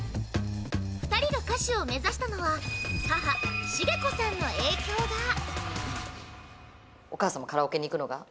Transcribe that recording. ２人が歌手を目指したのは、母・茂子さんの影響が。